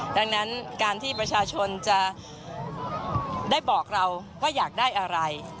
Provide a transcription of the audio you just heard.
ดังนั้นการที่ประชาชนจะได้บอกเราว่าอยากได้อะไร